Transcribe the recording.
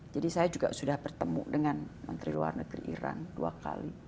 jadi saya juga sudah bertemu dengan menteri luar negeri iran dua kali